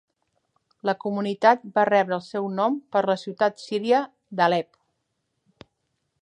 La comunitat va rebre el seu nom per la ciutat síria d'Alep.